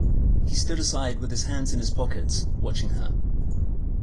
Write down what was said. He stood aside, with his hands in his pockets, watching her.